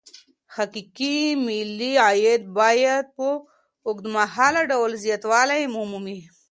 حقيقي ملي عايد بايد په اوږدمهاله ډول زياتوالی ومومي.